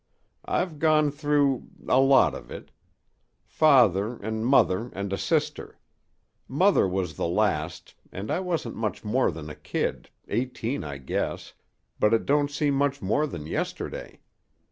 "I've gone through a lot of it. Father an' mother and a sister. Mother was the last, and I wasn't much more than a kid eighteen, I guess but it don't seem much more than yesterday.